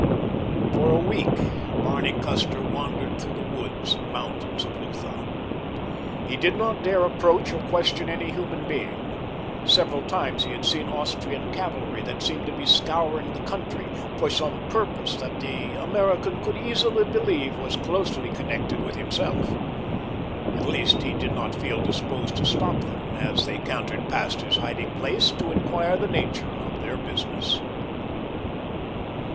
For a week Barney Custer wandered through the woods and mountains of Lutha. He did not dare approach or question any human being. Several times he had seen Austrian cavalry that seemed to be scouring the country for some purpose that the American could easily believe was closely connected with himself. At least he did not feel disposed to stop them, as they cantered past his hiding place, to inquire the nature of their business.